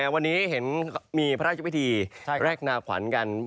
วันนี้เห็นมีพระราชพิธีแรกนาขวัญกัน